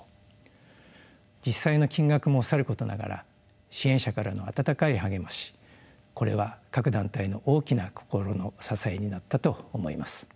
実際の金額もさることながら支援者からの温かい励ましこれは各団体の大きな心の支えになったと思います。